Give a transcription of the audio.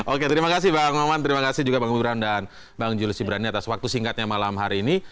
oke terima kasih bang maman terima kasih juga bang ibran dan bang julius ibrani atas waktu singkatnya malam hari ini